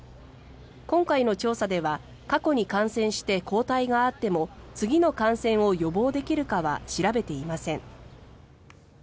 今回の調査では過去に感染して抗体があっても次の感染を予防できるかは調べていません。